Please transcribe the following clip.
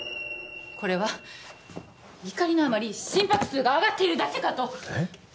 これは怒りのあまり心拍数が上がっているだけかとえっ？